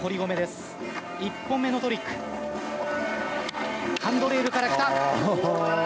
１本目のトリック、ハンドレールから来た。